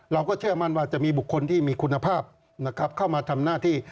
เราก็เชื่อมั่นว่าจะมีบุคคลที่มีคุณภาพนะครับเข้ามาทำหน้าที่